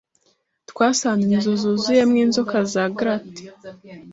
Twasanze inzu yuzuyemo inzoka za garter.